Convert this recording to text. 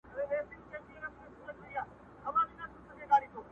ښخېدی به یې په غوښو کي هډوکی!!